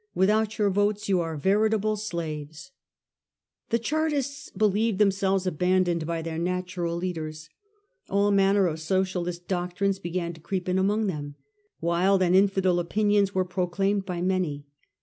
Without your votes you are verit able slaves.' The Chartists believed themselves abandoned by their natural leaders. All manner of socialist doctrines began to creep in among them. Wild and infidel opinions were proclaimed by many.